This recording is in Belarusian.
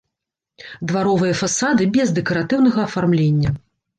Дваровыя фасады без дэкаратыўнага афармлення.